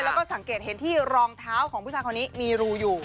แล้วก็สังเกตเห็นที่รองเท้าของผู้ชายคนนี้มีรูอยู่